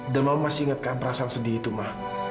dan mama masih ingatkan perasaan sedih itu ma